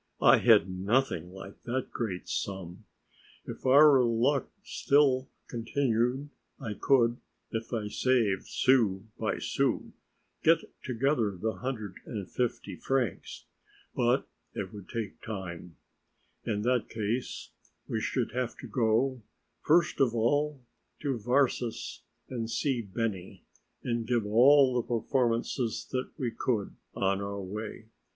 I had nothing like that great sum. Perhaps if our luck still continued I could, if I saved sou by sou, get together the hundred and fifty francs. But it would take time. In that case we should have to go, first of all, to Varses and see Benny and give all the performances that we could on our way.